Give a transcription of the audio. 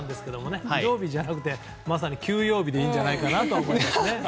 まさに移動日じゃなくて休養日でいいんじゃないかなと思いますね。